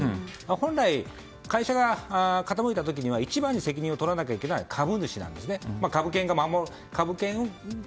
本来、会社が傾いた時には一番の責任を取らないといけないのが株主なんですね。